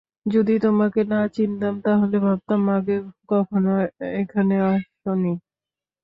যদি তোমাকে না চিনতাম, তাহলে ভাবতাম আগে কখনো এখানে আসোনি।